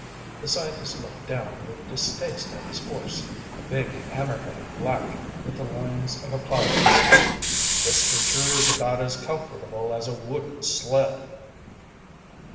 The scientist looked down with distaste at his horse, a big hammerheaded black with the lines of a plow beast. "This creature is about as comfortable as a wooden sled."